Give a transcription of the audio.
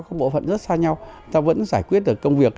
các bộ phận rất xa nhau ta vẫn giải quyết được công việc